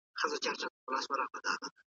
پښتو د خلکو مورنۍ ژبه ده.